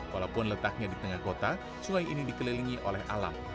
walaupun letaknya di tengah kota sungai ini dikelilingi oleh alam